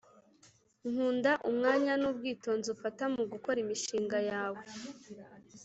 nkunda umwanya nubwitonzi ufata mugukora imishinga yawe